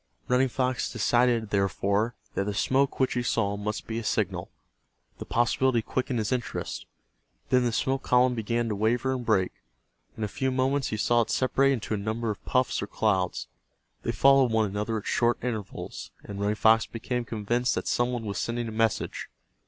Running Fox decided, therefore, that the smoke which he saw must be a signal. The possibility quickened his interest. Then the smoke column began to waver and break. In a few moments he saw it separate into a number of puffs or clouds. They followed one another at short intervals, and Running Fox became convinced that some one was sending a message.